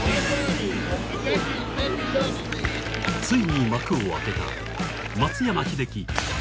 ついに幕を開けた、松山英樹